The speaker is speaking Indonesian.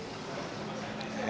dagingnya tadi dikasih yang buntut